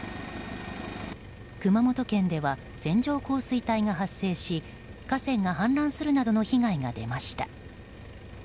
熊本県では線状降水帯が発生し河川が氾濫するなどの被害が出ました。